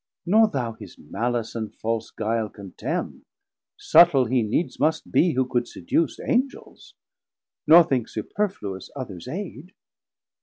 Nor thou his malice and false guile contemn; Suttle he needs must be, who could seduce Angels, nor think superfluous others aid.